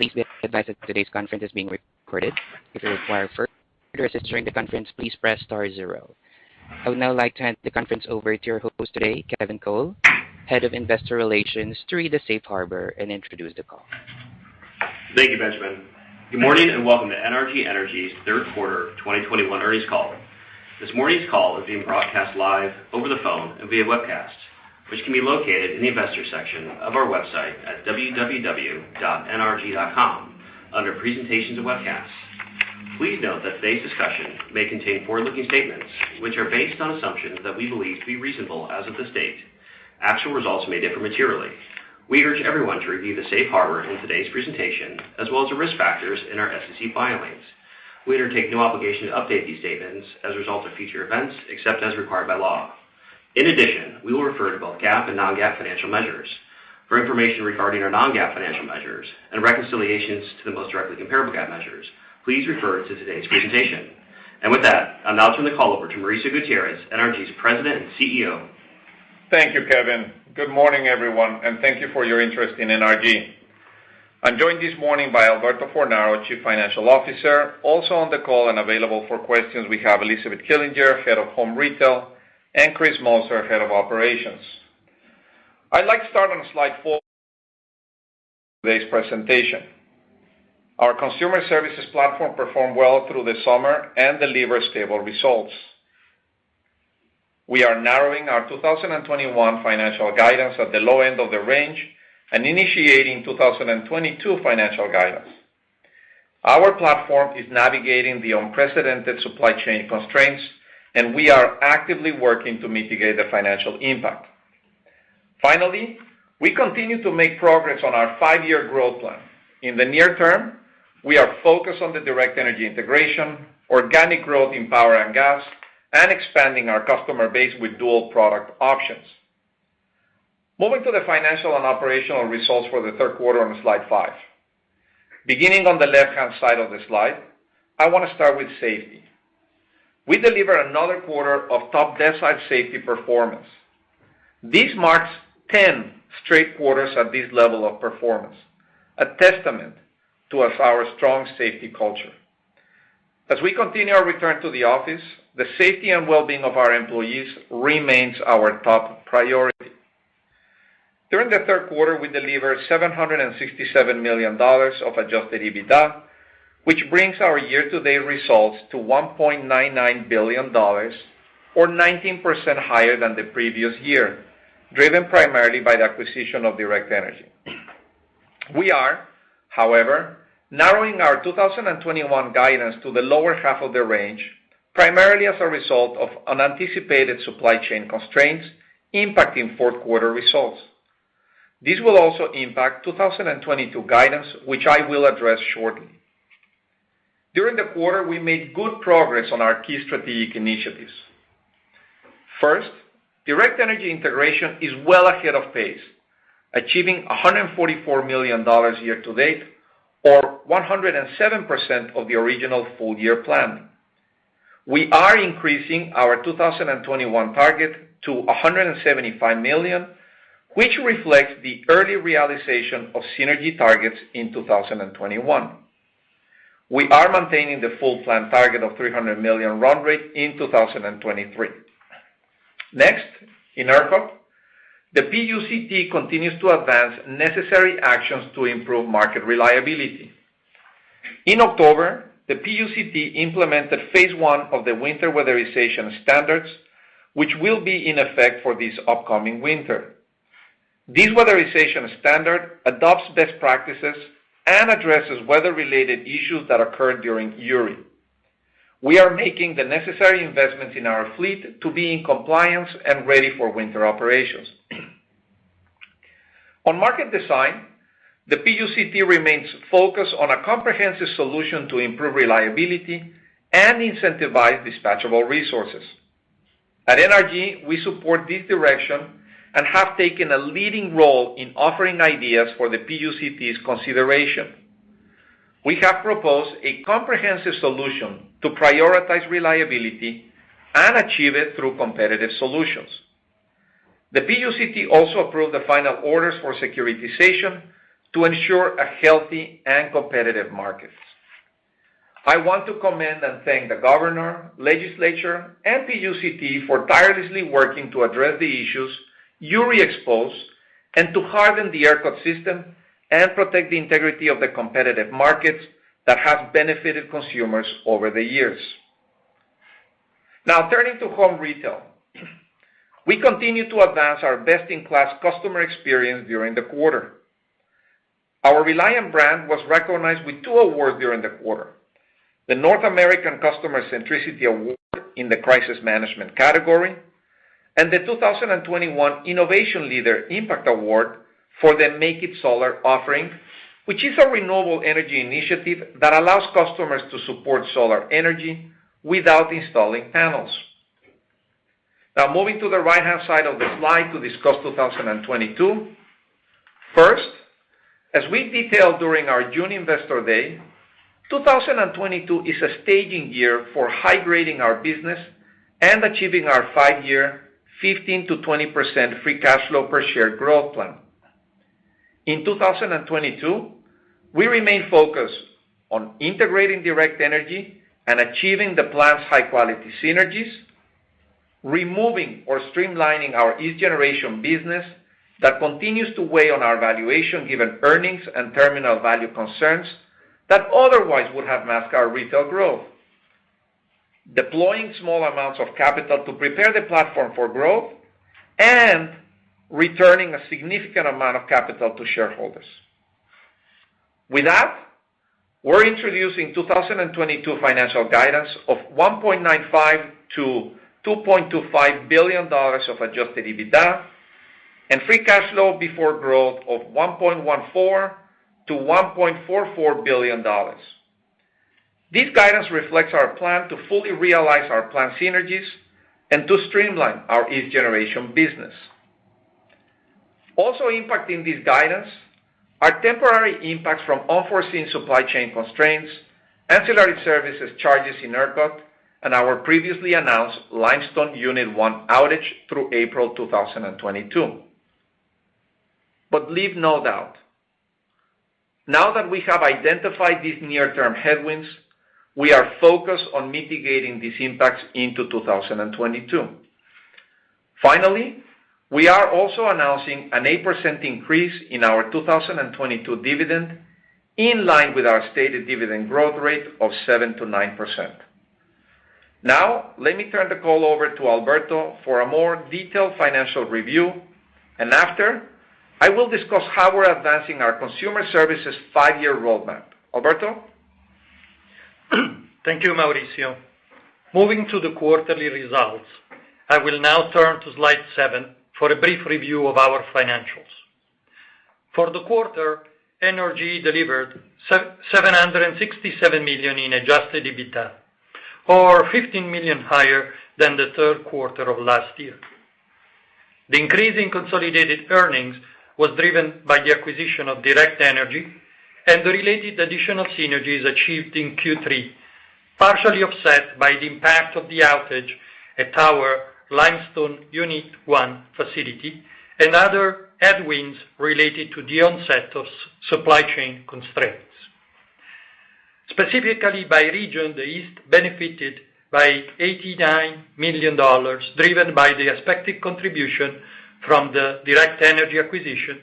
Please be advised that today's conference is being recorded. If you require further assistance during the conference, please press star zero. I would now like to hand the conference over to your host today, Kevin Cole, Head of Investor Relations, to read the safe harbor and introduce the call. Thank you, Benjamin. Good morning, and welcome to NRG Energy's third quarter of 2021 earnings call. This morning's call is being broadcast live over the phone and via webcast, which can be located in the investor section of our website at nrg.com, under presentations and webcasts. Please note that today's discussion may contain forward-looking statements, which are based on assumptions that we believe to be reasonable as of this date. Actual results may differ materially. We urge everyone to review the safe harbor in today's presentation, as well as the risk factors in our SEC filings. We undertake no obligation to update these statements as a result of future events, except as required by law. In addition, we will refer to both GAAP and Non-GAAP financial measures. For information regarding our Non-GAAP financial measures and reconciliations to the most directly comparable GAAP measures, please refer to today's presentation. With that, I'll now turn the call over to Mauricio Gutierrez, NRG's President and CEO. Thank you, Kevin. Good morning, everyone, and thank you for your interest in NRG. I'm joined this morning by Alberto Fornaro, Chief Financial Officer. Also on the call and available for questions we have Elizabeth Killinger, Head of Home Retail, and Chris Moser, Head of Operations. I'd like to start on slide 4. Today's presentation. Our consumer services platform performed well through the summer and delivered stable results. We are narrowing our 2021 financial guidance at the low end of the range and initiating 2022 financial guidance. Our platform is navigating the unprecedented supply chain constraints, and we are actively working to mitigate the financial impact. Finally, we continue to make progress on our 5-year growth plan. In the near term, we are focused on the Direct Energy integration, organic growth in power and gas, and expanding our customer base with dual product options. Moving to the financial and operational results for the third quarter on slide 8. Beginning on the left-hand side of the slide, I wanna start with safety. We delivered another 1/4 of top decile safety performance. This marks 10 straight quarters at this level of performance, a testament to our strong safety culture. As we continue our return to the office, the safety and well-being of our employees remains our top priority. During the third quarter, we delivered $767 million of adjusted EBITDA, which brings our year-to-date results to $1.99 billion or 19% higher than the previous year, driven primarily by the acquisition of Direct Energy. We are, however, narrowing our 2021 guidance to the lower 1/2 of the range, primarily as a result of unanticipated supply chain constraints impacting fourth 1/4 results. This will also impact 2022 guidance, which I will address shortly. During the 1/4, we made good progress on our key strategic initiatives. First, Direct Energy integration is well ahead of pace, achieving $144 million year to date or 107% of the original full-year plan. We are increasing our 2021 target to $175 million, which reflects the early realization of synergy targets in 2021. We are maintaining the full plan target of $300 million run rate in 2023. Next, in ERCOT, the PUCT continues to advance necessary actions to improve market reliability. In October, the PUCT implemented phase one of the winter weatherization standards, which will be in effect for this upcoming winter. This weatherization standard adopts best practices and addresses weather-related issues that occurred during Uri. We are making the necessary investments in our fleet to be in compliance and ready for winter operations. On market design, the PUCT remains focused on a comprehensive solution to improve reliability and incentivize dispatchable resources. At NRG, we support this direction and have taken a leading role in offering ideas for the PUCT's consideration. We have proposed a comprehensive solution to prioritize reliability and achieve it through competitive solutions. The PUCT also approved the final orders for securitization to ensure a healthy and competitive market. I want to commend and thank the governor, legislature, and PUCT for tirelessly working to address the issues Uri exposed, and to harden the ERCOT system and protect the integrity of the competitive markets that have benefited consumers over the years. Now, turning to Home Retail. We continue to advance our best-in-class customer experience during the 1/4. Our Reliant brand was recognized with 2 awards during the 1/4. The North American Customer Centricity Award in the Crisis Management category, and the 2021 Innovation Leader Impact Award for the Make It Solar offering, which is a renewable energy initiative that allows customers to support solar energy without installing panels. Now, moving to the right-hand side of the slide to discuss 2022. First, as we detailed during our June Investor Day. 2022 is a staging year for high grading our business and achieving our 8-year 15%-20% free cash flow per share growth plan. In 2022, we remain focused on integrating Direct Energy and achieving the planned high-quality synergies, removing or streamlining our East generation business that continues to weigh on our valuation given earnings and terminal value concerns that otherwise would have masked our retail growth, deploying small amounts of capital to prepare the platform for growth and returning a significant amount of capital to shareholders. With that, we're introducing 2022 financial guidance of $1.95 billion-$2.25 billion of adjusted EBITDA and free cash flow before growth of $1.14 billion-$1.44 billion. This guidance reflects our plan to fully realize our planned synergies and to streamline our East generation business. Also impacting this guidance are temporary impacts from unforeseen supply chain constraints, ancillary services charges in ERCOT, and our previously announced Limestone Unit 1 outage through April 2022. But leave no doubt. Now that we have identified these near-term headwinds, we are focused on mitigating these impacts into 2022. Finally, we are also announcing an 8% increase in our 2022 dividend, in line with our stated dividend growth rate of 7%-9%. Now, let me turn the call over to Alberto for a more detailed financial review. After, I will discuss how we're advancing our consumer services 8-year roadmap. Alberto? Thank you, Mauricio. Moving to the 1/4ly results, I will now turn to slide 7 for a brief review of our financials. For the 1/4, NRG delivered $767 million in adjusted EBITDA, or $15 million higher than the third quarter of last year. The increase in consolidated earnings was driven by the acquisition of Direct Energy and the related additional synergies achieved in Q3, partially offset by the impact of the outage at our Limestone Unit one facility and other headwinds related to the onset of supply chain constraints. Specifically by region, the East benefited by $89 million, driven by the expected contribution from the Direct Energy acquisition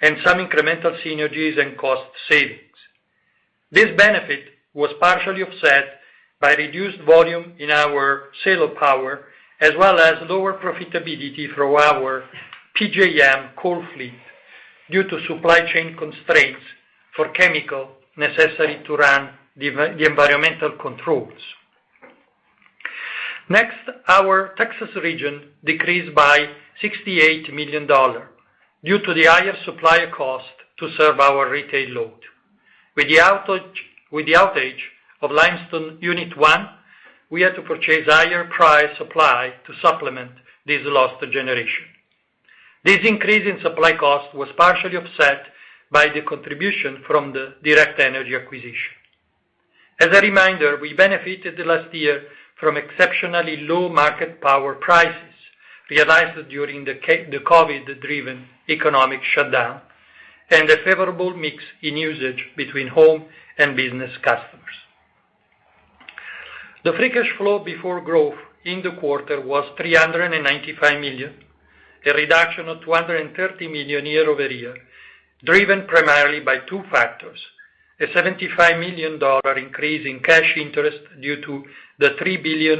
and some incremental synergies and cost savings. This benefit was partially offset by reduced volume in our sale of power, as well as lower profitability through our PJM coal fleet due to supply chain constraints for chemical necessary to run the environmental controls. Next, our Texas region decreased by $68 million due to the higher supplier cost to serve our retail load. With the outage of Limestone Unit 1, we had to purchase higher price supply to supplement this lost generation. This increase in supply cost was partially offset by the contribution from the Direct Energy acquisition. As a reminder, we benefited last year from exceptionally low market power prices realized during the COVID-driven economic shutdown and a favorable mix in usage between home and business customers. The free cash flow before growth in the 1/4 was $395 million, a reduction of $230 million year-over-year, driven primarily by 2 factors. A $75 million increase in cash interest due to the $3 billion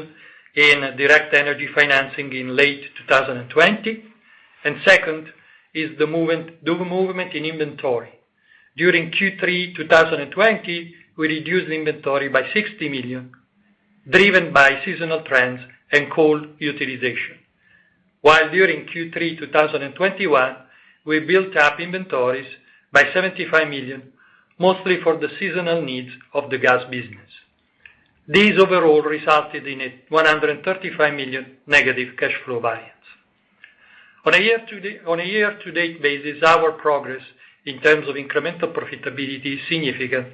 in Direct Energy financing in late 2020. Second is the movement in inventory. During Q3 2020, we reduced inventory by $60 million, driven by seasonal trends and coal utilization. While during Q3 2021, we built up inventories by $75 million, mostly for the seasonal needs of the gas business. These overall resulted in a $135 million negative cash flow balance. On a year-to-date basis, our progress in terms of incremental profitability is significant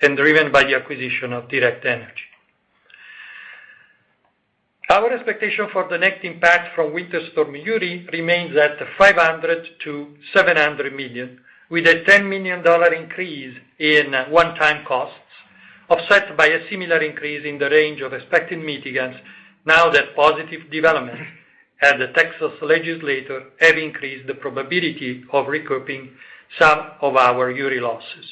and driven by the acquisition of Direct Energy. Our expectation for the net impact from Winter Storm Uri remains at $500 million-$700 million, with a $10 million increase in one-time costs, offset by a similar increase in the range of expected mitigants now that positive developments at the Texas Legislature have increased the probability of recouping some of our Uri losses.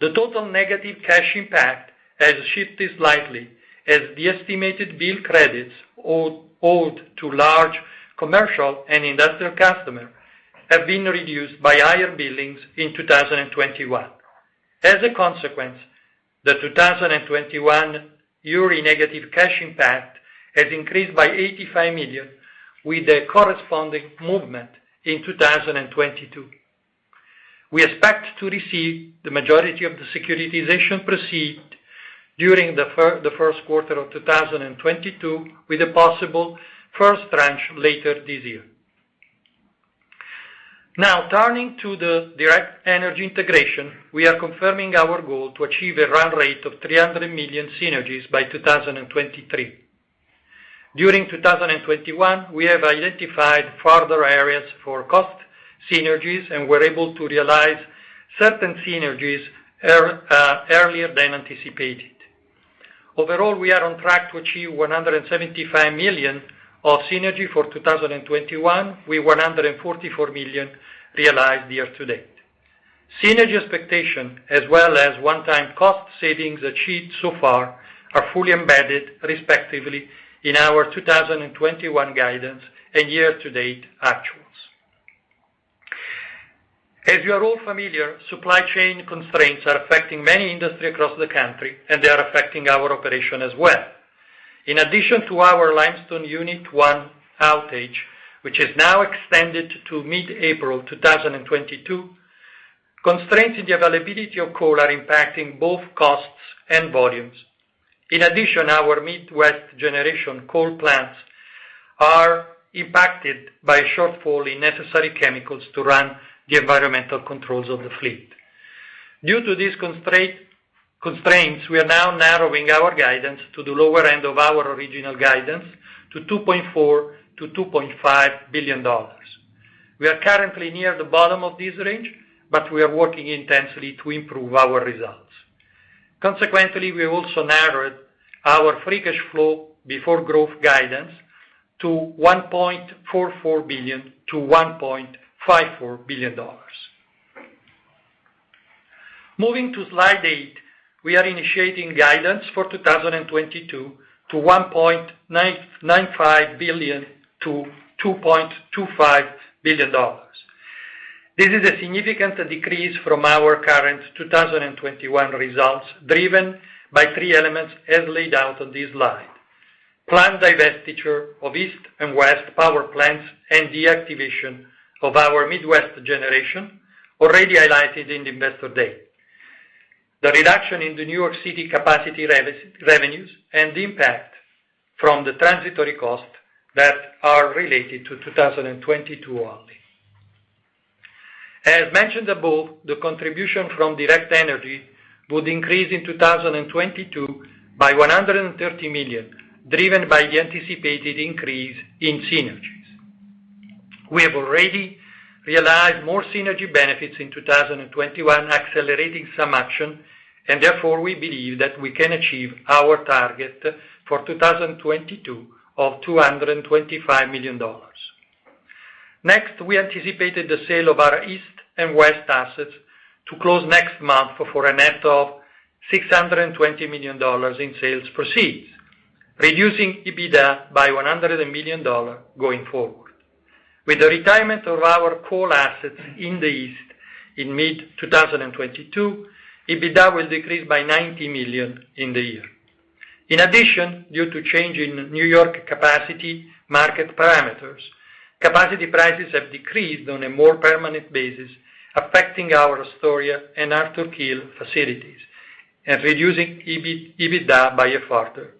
The total negative cash impact has shifted slightly as the estimated bill credits owed to large commercial and industrial customers have been reduced by higher billings in 2021. As a consequence, the 2021 Uri negative cash impact has increased by $85 million with a corresponding movement in 2022. We expect to receive the majority of the securitization proceeds during the first 1/4 of 2022, with a possible first tranche later this year. Now turning to the Direct Energy integration. We are confirming our goal to achieve a run rate of $300 million synergies by 2023. During 2021, we have identified further areas for cost synergies, and we're able to realize certain synergies earlier than anticipated. Overall, we are on track to achieve $175 million of synergy for 2021, with $144 million realized year to date. Synergy expectation as well as one-time cost savings achieved so far are fully embedded, respectively, in our 2021 guidance and year-to-date actuals. As you are all familiar, supply chain constraints are affecting many industries across the country, and they are affecting our operations as well. In addition to our Limestone Unit One outage, which is now extended to mid-April 2022, constraints in the availability of coal are impacting both costs and volumes. In addition, our Midwest generation coal plants are impacted by a shortfall in necessary chemicals to run the environmental controls of the fleet. Due to these constraints, we are now narrowing our guidance to the lower end of our original guidance to $2.4 billion-$2.5 billion. We are currently near the bottom of this range, but we are working intensely to improve our results. Consequently, we also narrowed our free cash flow before growth guidance to $1.44 billion-$1.54 billion. Moving to slide 8. We are initiating guidance for 2022 to $1.95 billion-$2.25 billion. This is a significant decrease from our current 2021 results, driven by 3 elements as laid out on this slide. Planned divestiture of East and West power plants and the activation of our Midwest generation, already highlighted in the Investor Day. The reduction in the New York City capacity revenues and the impact from the transitory costs that are related to 2022 only. As mentioned above, the contribution from Direct Energy would increase in 2022 by $130 million, driven by the anticipated increase in synergies. We have already realized more synergy benefits in 2021, accelerating some action, and therefore, we believe that we can achieve our target for 2022 of $225 million. Next, we anticipated the sale of our East and West assets to close next month for a net of $620 million in sales proceeds, reducing EBITDA by $100 million going forward. With the retirement of our coal assets in the East in mid-2022, EBITDA will decrease by $90 million in the year. In addition, due to change in New York capacity market parameters, capacity prices have decreased on a more permanent basis, affecting our Astoria and Arthur Kill facilities and reducing EBITDA by a further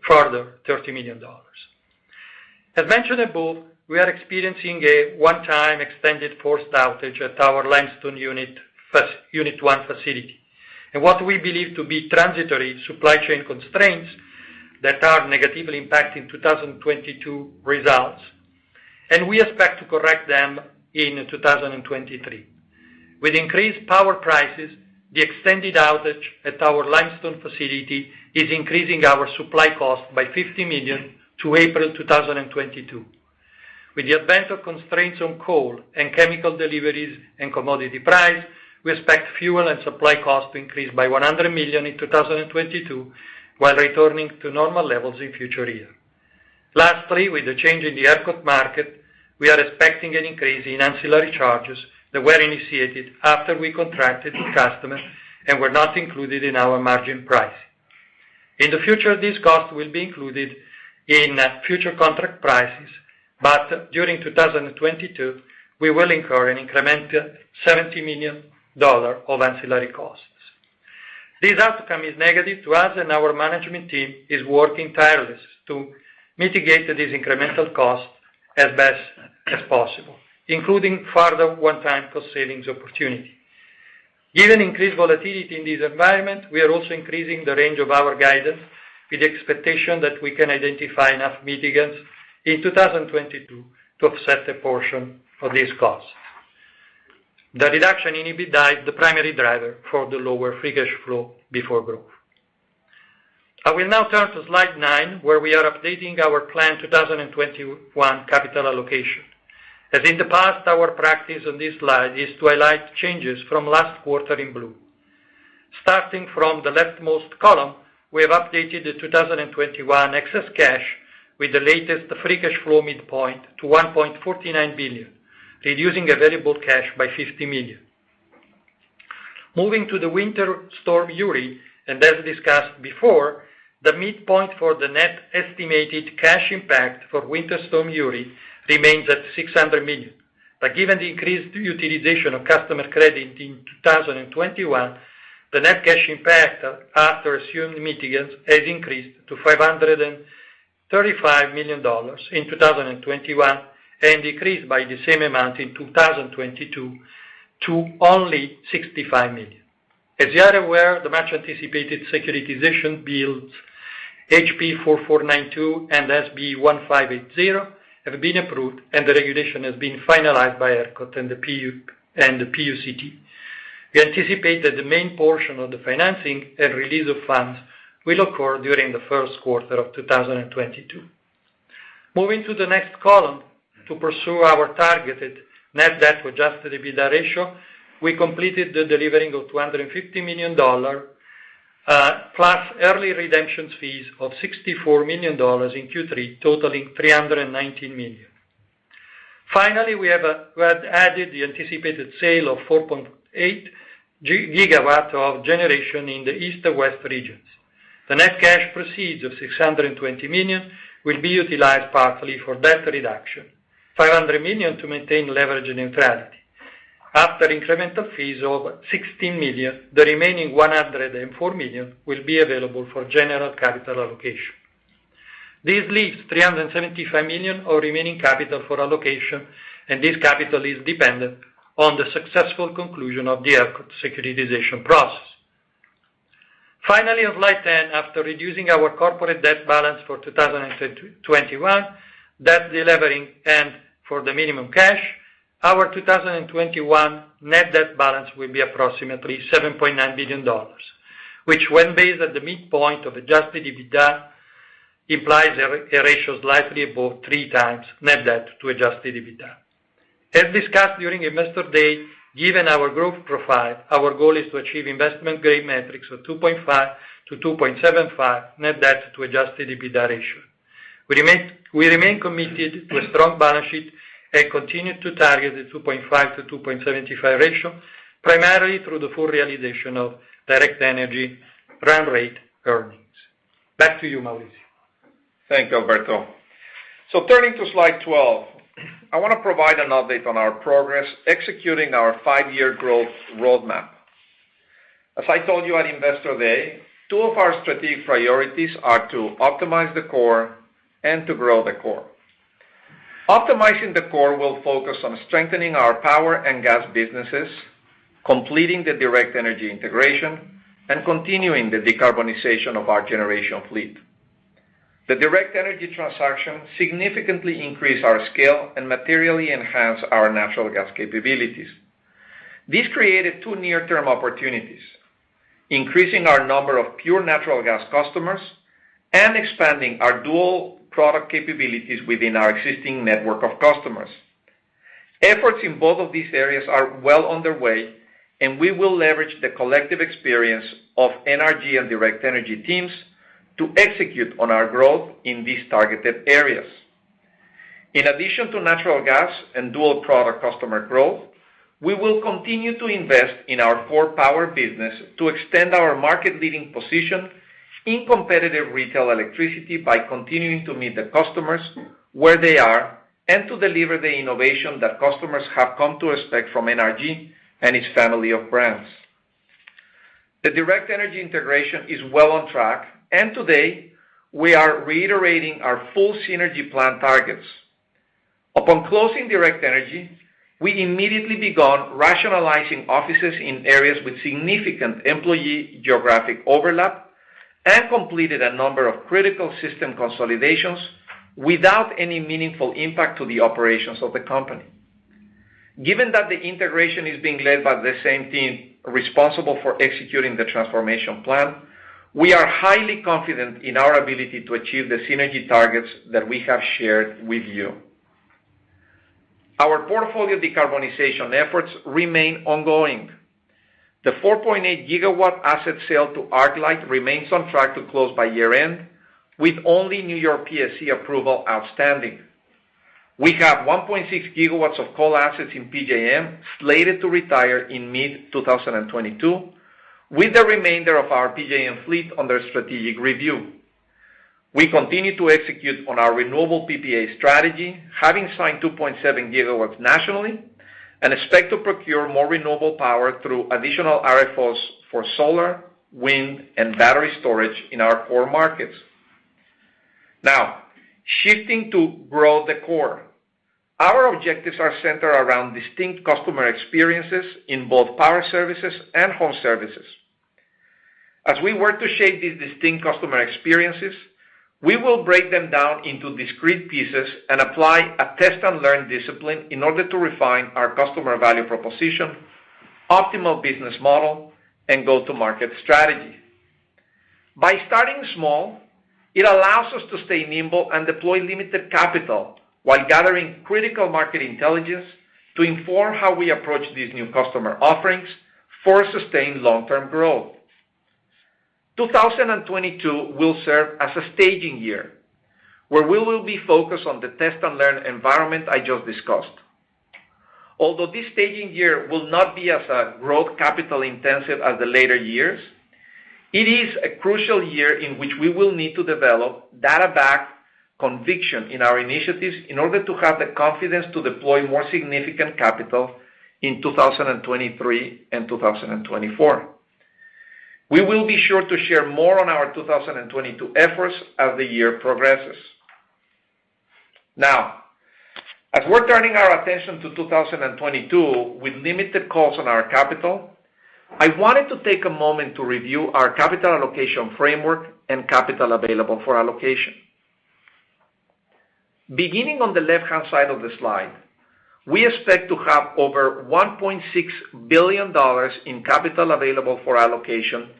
$30 million. As mentioned above, we are experiencing a one-time extended forced outage at our Limestone Unit One facility, and what we believe to be transitory supply chain constraints that are negatively impacting 2022 results, and we expect to correct them in 2023. With increased power prices, the extended outage at our Limestone facility is increasing our supply cost by $50 million to April 2022. With the advent of constraints on coal and chemical deliveries and commodity price, we expect fuel and supply costs to increase by $100 million in 2022, while returning to normal levels in future year. Lastly, with the change in the ERCOT market, we are expecting an increase in ancillary charges that were initiated after we contracted with customers and were not included in our margin price. In the future, these costs will be included in future contract prices, but during 2022, we will incur an incremental $70 million of ancillary costs. This outcome is negative to us, and our management team is working tirelessly to mitigate these incremental costs as best as possible, including further one-time cost savings opportunity. Given increased volatility in this environment, we are also increasing the range of our guidance with the expectation that we can identify enough mitigants in 2022 to offset a portion of these costs. The reduction in EBITDA is the primary driver for the lower free cash flow before growth. I will now turn to slide 9, where we are updating our planned 2021 capital allocation. As in the past, our practice on this slide is to highlight changes from last 1/4 in blue. Starting from the leftmost column, we have updated the 2021 excess cash with the latest free cash flow midpoint to $1.49 billion, reducing available cash by $50 million. Moving to the Winter Storm Uri, as discussed before, the midpoint for the net estimated cash impact for Winter Storm Uri remains at $600 million. Given the increased utilization of customer credit in 2021, the net cash impact, after assumed mitigants, has increased to $535 million in 2021, and decreased by the same amount in 2022 to only $65 million. As you are aware, the much-anticipated securitization bills HB 4492 and SB 1580 have been approved, and the regulation has been finalized by ERCOT and the PUCT. We anticipate that the main portion of the financing and release of funds will occur during the first 1/4 of 2022. Moving to the next column, to pursue our targeted net debt to adjusted EBITDA ratio, we completed the redemption of $250 million plus early redemption fees of $64 million in Q3, totaling $319 million. We have added the anticipated sale of 4.8 gigawatts of generation in the East and West regions. The net cash proceeds of $620 million will be utilized partly for debt reduction, $500 million to maintain leverage neutrality. After incremental fees of $16 million, the remaining $104 million will be available for general capital allocation. This leaves $375 million of remaining capital for allocation, and this capital is dependent on the successful conclusion of the ERCOT securitization process. Finally, on slide 10, after reducing our corporate debt balance for 2021, debt delevering, and for the minimum cash, our 2021 net debt balance will be approximately $7.9 billion. Which when based at the midpoint of adjusted EBITDA implies a ratio slightly above 3x net debt to adjusted EBITDA. As discussed during Investor Day, given our growth profile, our goal is to achieve investment-grade metrics of 2.5-2.75 net debt to adjusted EBITDA ratio. We remain committed to a strong balance sheet and continue to target the 2.5-2.75 ratio, primarily through the full realization of Direct Energy run rate earnings. Back to you, Mauricio. Thank you, Alberto. Turning to slide 12, I want to provide an update on our progress executing our 8-year growth roadmap. As I told you at Investor Day, 2 of our strategic priorities are to optimize the core and to grow the core. Optimizing the core will focus on strengthening our power and gas businesses, completing the Direct Energy integration, and continuing the decarbonization of our generation fleet. The Direct Energy transaction significantly increased our scale and materially enhanced our natural gas capabilities. This created 2 near-term opportunities, increasing our number of pure natural gas customers and expanding our dual product capabilities within our existing network of customers. Efforts in both of these areas are well underway, and we will leverage the collective experience of NRG and Direct Energy teams to execute on our growth in these targeted areas. In addition to natural gas and dual product customer growth, we will continue to invest in our core power business to extend our market-leading position in competitive retail electricity by continuing to meet the customers where they are and to deliver the innovation that customers have come to expect from NRG and its family of brands. The Direct Energy integration is well on track, and today, we are reiterating our full synergy plan targets. Upon closing Direct Energy, we immediately began rationalizing offices in areas with significant employee geographic overlap and completed a number of critical system consolidations without any meaningful impact to the operations of the company. Given that the integration is being led by the same team responsible for executing the transformation plan, we are highly confident in our ability to achieve the synergy targets that we have shared with you. Our portfolio decarbonization efforts remain ongoing. The 4.8 GW asset sale to ArcLight remains on track to close by year-end, with only New York PSC approval outstanding. We have 1.6 GW of coal assets in PJM slated to retire in mid-2022, with the remainder of our PJM fleet under strategic review. We continue to execute on our renewable PPA strategy, having signed 2.7 GW nationally, and expect to procure more renewable power through additional RFPs for solar, wind, and battery storage in our core markets. Now, shifting to grow the core. Our objectives are centered around distinct customer experiences in both power services and home services. As we work to shape these distinct customer experiences, we will break them down into discrete pieces and apply a test-and-learn discipline in order to refine our customer value proposition, optimal business model, and go-to-market strategy. By starting small, it allows us to stay nimble and deploy limited capital while gathering critical market intelligence to inform how we approach these new customer offerings for sustained Long-Term growth. 2022 will serve as a staging year, where we will be focused on the test-and-learn environment I just discussed. Although this staging year will not be as growth capital-intensive as the later years, it is a crucial year in which we will need to develop data-backed conviction in our initiatives in order to have the confidence to deploy more significant capital in 2023 and 2024. We will be sure to share more on our 2022 efforts as the year progresses. Now, as we're turning our attention to 2022 with limited calls on our capital, I wanted to take a moment to review our capital allocation framework and capital available for allocation. Beginning on the left-hand side of the slide, we expect to have over $1.6 billion in capital available for allocation,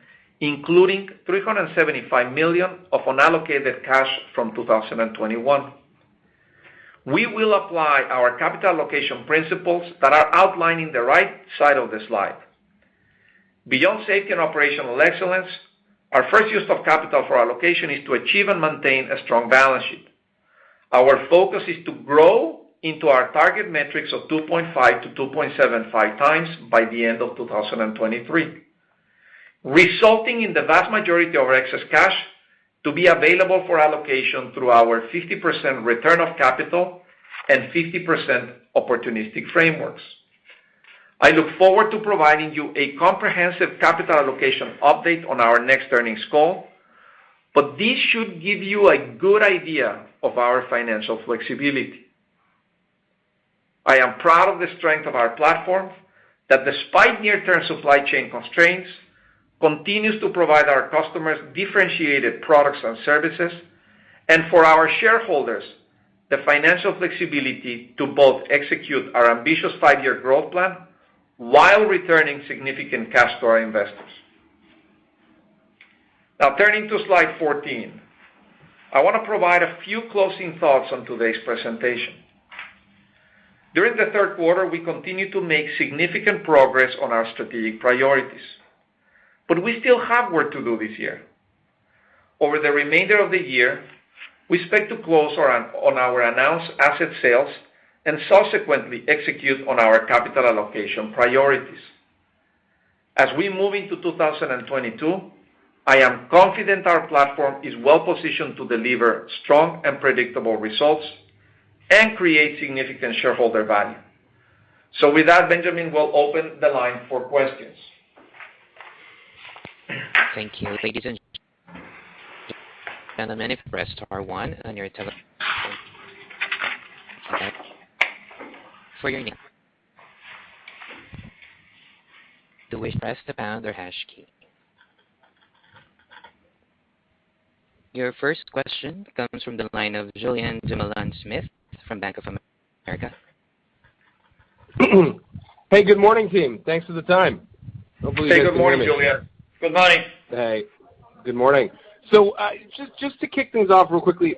including $375 million of unallocated cash from 2021. We will apply our capital allocation principles that are outlined in the right side of the slide. Beyond safety and operational excellence, our first use of capital for allocation is to achieve and maintain a strong balance sheet. Our focus is to grow into our target metrics of 2.5x-2.75x by the end of 2023, resulting in the vast majority of our excess cash to be available for allocation through our 50% return of capital and 50% opportunistic frameworks. I look forward to providing you a comprehensive capital allocation update on our next earnings call, but this should give you a good idea of our financial flexibility. I am proud of the strength of our platform, that despite near-term supply chain constraints, continues to provide our customers differentiated products and services. For our shareholders, the financial flexibility to both execute our ambitious 8-year growth plan while returning significant cash to our investors. Now, turning to slide 14. I want to provide a few closing thoughts on today's presentation. During the third quarter, we continued to make significant progress on our strategic priorities, but we still have work to do this year. Over the remainder of the year, we expect to close on our announced asset sales and subsequently execute on our capital allocation priorities. As we move into 2022, I am confident our platform is well positioned to deliver strong and predictable results and create significant shareholder value. With that, Benjamin will open the line for questions. Your first question comes from the line of Julien Dumoulin-Smith from Bank of America. Hey, good morning, team. Thanks for the time. Hopefully you can hear me. Hey, good morning, Julien. Good morning. Hey, good morning. Just to kick things off real quickly,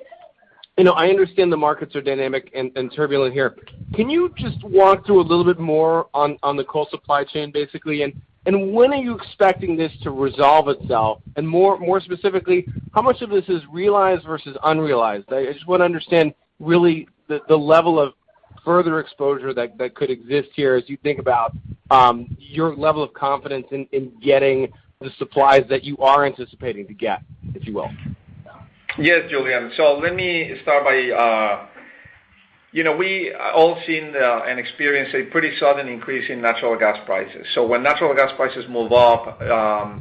you know, I understand the markets are dynamic and turbulent here. Can you just walk through a little bit more on the coal supply chain, basically? When are you expecting this to resolve itself? More specifically, how much of this is realized versus unrealized? I just wanna understand, really the level of further exposure that could exist here as you think about your level of confidence in getting the supplies that you are anticipating to get, if you will. Yes, Julien. Let me start by. You know, we all seen the and experienced a pretty sudden increase in natural gas prices. When natural gas prices move up,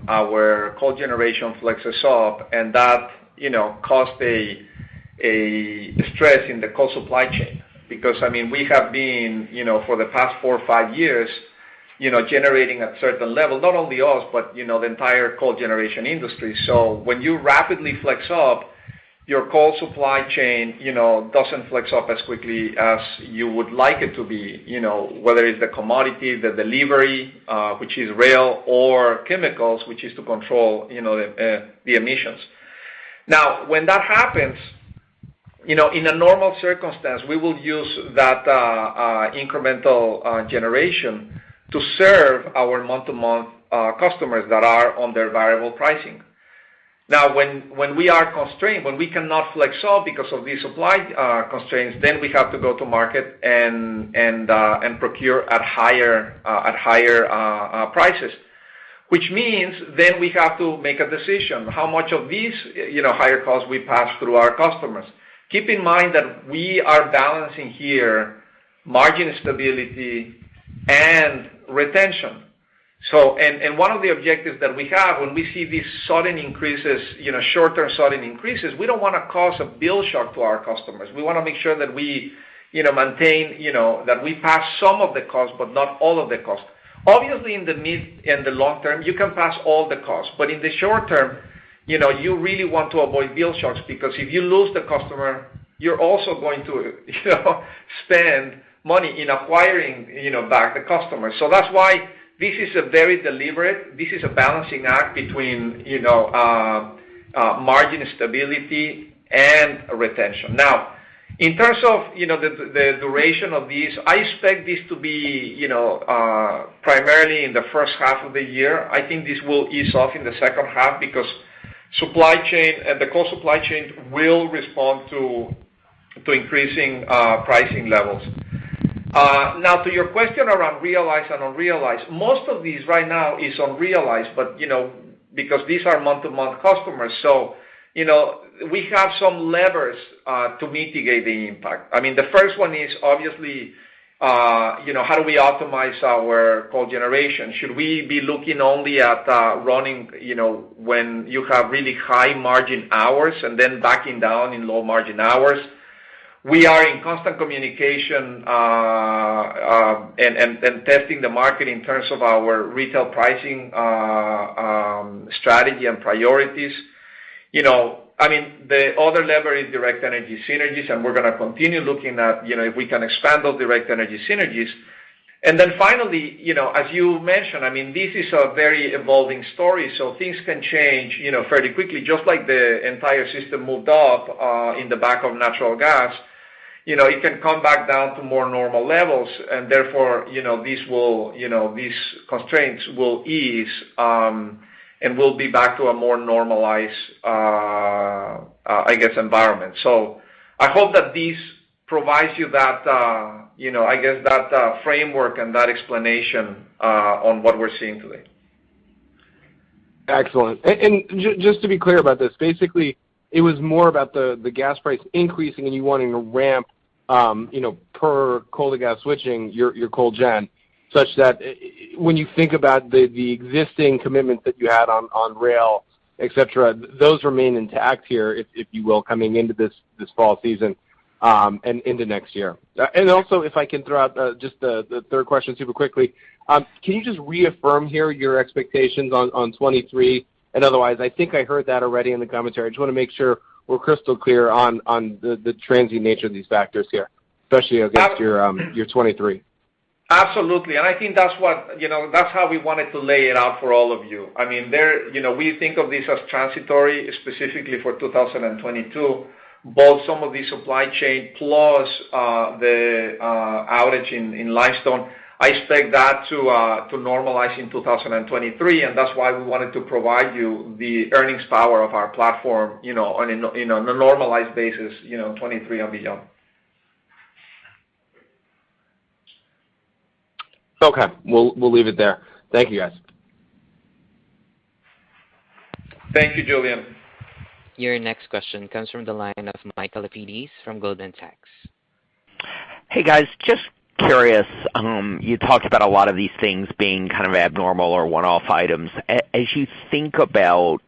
our coal generation flexes up, and that, you know, caused a stress in the coal supply chain. Because, I mean, we have been, you know, for the past four or 8 years, you know, generating a certain level, not only us, but, you know, the entire coal generation industry. When you rapidly flex up, your coal supply chain, you know, doesn't flex up as quickly as you would like it to be, you know, whether it's the commodity, the delivery, which is rail or chemicals, which is to control, you know, the emissions. Now, when that happens, you know, in a normal circumstance, we will use that incremental generation to serve our month-to-month customers that are on their variable pricing. Now, when we are constrained, when we cannot flex up because of the supply constraints, then we have to go to market and procure at higher prices. Which means then we have to make a decision, how much of these, you know, higher costs we pass through to our customers. Keep in mind that we are balancing here margin stability and retention. One of the objectives that we have when we see these sudden increases, you know, Short-Term sudden increases, we don't wanna cause a bill shock to our customers. We wanna make sure that we, you know, maintain, you know, that we pass some of the cost, but not all of the cost. Obviously, in the mid and the long term, you can pass all the costs. In the short term, you know, you really want to avoid bill shocks because if you lose the customer, you're also going to, you know, spend money in acquiring, you know, back the customer. That's why this is a balancing act between, you know, margin stability and retention. Now, in terms of, you know, the duration of these, I expect this to be, you know, primarily in the first 1/2 of the year. I think this will ease off in the second 1/2 because supply chain and the coal supply chains will respond to increasing pricing levels. Now to your question around realized and unrealized, most of these right now is unrealized, but you know, because these are month-to-month customers. You know, we have some levers to mitigate the impact. I mean, the first one is obviously you know, how do we optimize our coal generation? Should we be looking only at running you know, when you have really high margin hours and then backing down in low margin hours? We are in constant communication and testing the market in terms of our retail pricing strategy and priorities. You know, I mean, the other lever is Direct Energy synergies, and we're gonna continue looking at you know, if we can expand those Direct Energy synergies. Finally, you know, as you mentioned, I mean, this is a very evolving story. Things can change, you know, fairly quickly, just like the entire system moved up on the back of natural gas. You know, it can come back down to more normal levels, and therefore, you know, this will, you know, these constraints will ease, and we'll be back to a more normalized, I guess, environment. I hope that this provides you that, you know, I guess that, framework and that explanation on what we're seeing today. Excellent. To be clear about this, basically, it was more about the gas price increasing and you wanting to ramp for coal to gas switching your coal gen such that when you think about the existing commitment that you had on rail, et cetera, those remain intact here, if you will, coming into this fall season and into next year. Also if I can throw out just the 1/3 question super quickly. Can you just reaffirm here your expectations on 2023? Otherwise, I think I heard that already in the commentary. I just wanna make sure we're crystal clear on the transient nature of these factors here, especially against your year 2023. Absolutely. I think that's what, you know, that's how we wanted to lay it out for all of you. I mean, you know, we think of this as transitory, specifically for 2022, both some of the supply chain plus the outage in Limestone. I expect that to normalize in 2023, and that's why we wanted to provide you the earnings power of our platform, you know, on a normalized basis, you know, 2023 and beyond. Okay. We'll leave it there. Thank you, guys. Thank you, Julien. Your next question comes from the line of Michael Lapides from Goldman Sachs. Hey, guys. Just curious, you talked about a lot of these things being kind of abnormal or one-off items. As you think about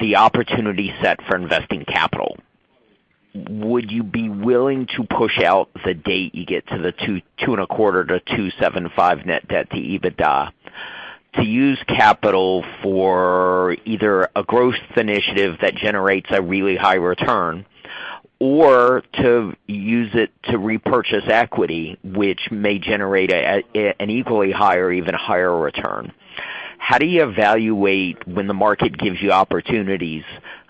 the opportunity set for investing capital, would you be willing to push out the date you get to the 2.2 to 2.75 net debt to EBITDA to use capital for either a growth initiative that generates a really high return or to use it to repurchase equity, which may generate an equally higher, even higher return? How do you evaluate when the market gives you opportunities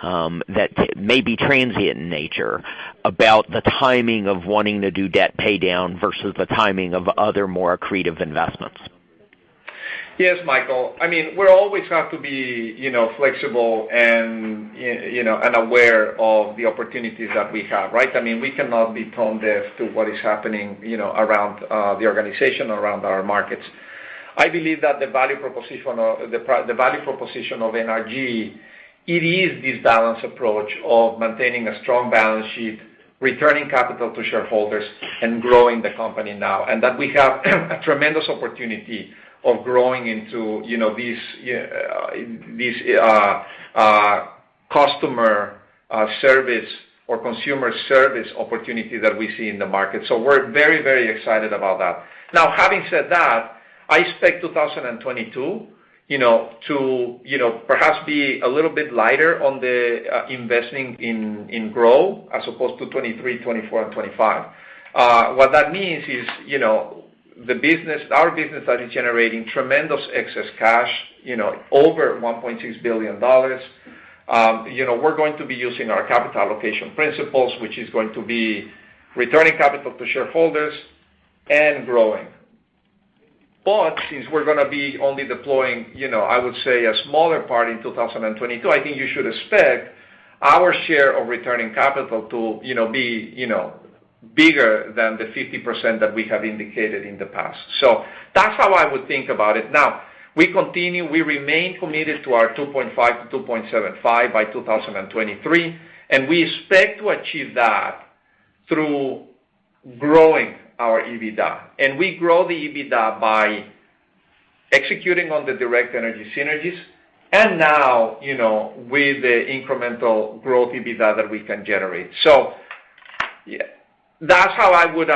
that may be transient in nature about the timing of wanting to do debt pay down versus the timing of other more accretive investments? Yes, Michael. I mean, we always have to be, you know, flexible and, you know, aware of the opportunities that we have, right? I mean, we cannot be tone deaf to what is happening, you know, around the organization, around our markets. I believe that the value proposition of NRG, it is this balanced approach of maintaining a strong balance sheet, returning capital to shareholders, and growing the company now. That we have a tremendous opportunity of growing into, you know, these customer service or consumer service opportunity that we see in the market. We're very, very excited about that. Now, having said that, I expect 2022, you know, to, you know, perhaps be a little bit lighter on the investing in growth as opposed to 2023, 2024 and 2025. What that means is, you know, the business, our business that is generating tremendous excess cash, you know, over $1.6 billion, you know, we're going to be using our capital allocation principles, which is going to be returning capital to shareholders and growing. Since we're gonna be only deploying, you know, I would say a smaller part in 2022, I think you should expect our share of returning capital to, you know, be, you know, bigger than the 50% that we have indicated in the past. That's how I would think about it. Now, we continue, we remain committed to our $2.5-$2.75 by 2023, and we expect to achieve that through growing our EBITDA. We grow the EBITDA by executing on the Direct Energy synergies, and now, you know, with the incremental growth EBITDA that we can generate. That's how I would